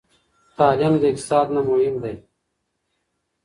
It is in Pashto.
تعلیم د اقتصاد نه مهم دی.